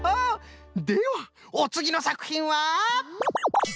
ではおつぎのさくひんは？